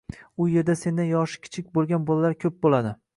u yerda sendan yoshi kichik bo‘lgan bolalar ko‘p bo‘ladi.